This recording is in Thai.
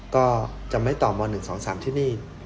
ก็จะไม่ตอบม๑๒๓ที่นี่